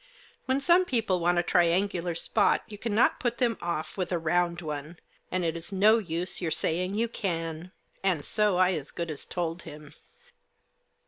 When some people want a triangular spot you cannot put them off with a round one. It is no use your saying you can. And so I as good as told him.